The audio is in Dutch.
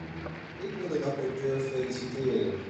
Ik wil de rapporteur feliciteren.